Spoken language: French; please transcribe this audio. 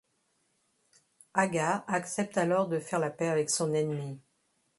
Agga accepte alors de faire la paix avec son ennemi.